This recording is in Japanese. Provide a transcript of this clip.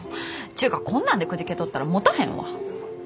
ちゅうかこんなんでくじけとったらもたへんわ。